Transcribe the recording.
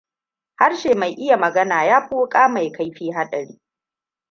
Harshe mai iya magana yafi wuƙa mai kaifi haɗari.